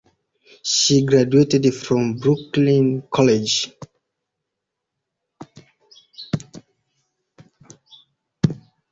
She graduated from Brooklyn College.